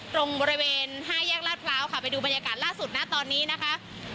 ตรงบริเวณห้าแยกลาดพร้าวค่ะไปดูบรรยากาศล่าสุดนะตอนนี้นะคะ